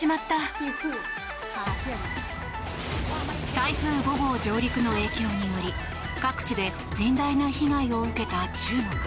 台風５号上陸の影響により各地で甚大な被害を受けた中国。